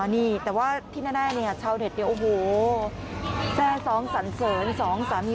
๒๓มีภรรยานี่ใหญ่เลยนะคะ